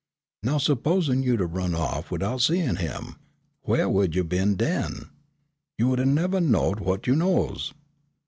"Now s'posin' you'd 'a' run off widout seein' him, whaih would you been den? You wouldn' nevah knowed whut you knows."